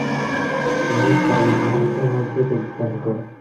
তিনি ব্রাহ্মসমাজে যোগদান করেন।